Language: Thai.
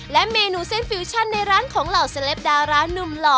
และเมนูเส้นฟิวชั่นในร้านของเหล่าเซลปดาร้านุ่มหล่อ